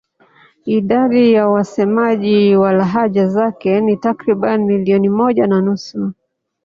Idadi ya wasemaji wa lahaja zake ni takriban milioni moja na nusu.